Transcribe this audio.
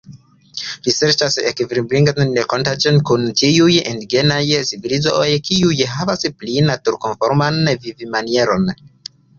Li serĉas ekvilibrigitajn renkontojn kun tiuj indiĝenaj civilizoj, kiuj havas pli naturkonforman vivmanieron.